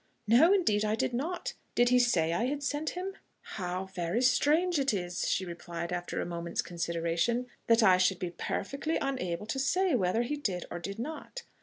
"No, indeed I did not. Did he say I had sent him?" "How very strange it is," she replied after a moment's consideration, "that I should be perfectly unable to say whether he did or did not!